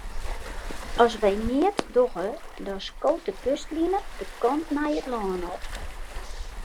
As wy neat dogge, dan skoot de kustline de kant nei it lân op.